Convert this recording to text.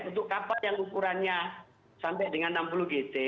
untuk kapal yang ukurannya sampai dengan enam puluh gt